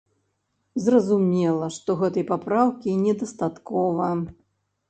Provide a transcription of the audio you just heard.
Зразумела, што гэтай папраўкі недастаткова.